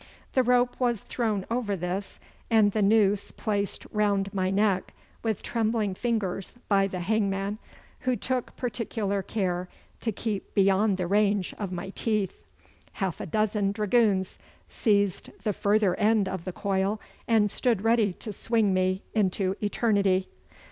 The rope was thrown over this, and the noose placed round my neck with trembling fingers by the hangman, who took particular care to keep beyond the range of my teeth. Half a dozen dragoons seized the further end of the coil, and stood ready to swing me into eternity.